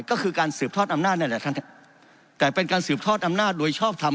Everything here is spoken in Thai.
ก็คือการสืบทอดอำนาจนี่แหละครับแต่เป็นการสืบทอดอำนาจโดยชอบทำ